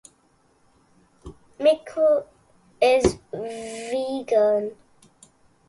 Mitchell is vegan.